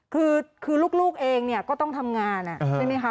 คือลูกเองเนี่ยก็ต้องทำงานใช่ไหมคะ